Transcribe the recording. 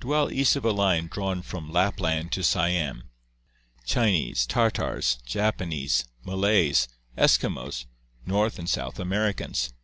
Dwell east of a line drawn from Lapland to Siam; Chinese, Tartars, Japanese, Malays, Eskimos, North and South Americans.